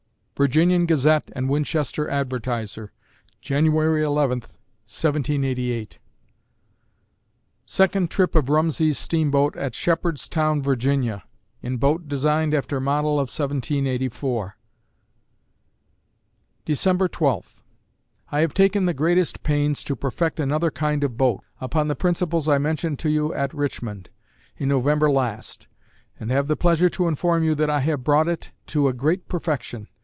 (Virginian Gazette and Winchester Advertiser, Jan. 11, 1788) Second trip of Rumsey's steamboat at Shepherdstown, Va., in boat designed after model of 1784 December Twelfth I have taken the greatest pains to perfect another kind of boat, upon the principles I mentioned to you at Richmond, in November last, and have the pleasure to inform you that I have brought it to a great perfection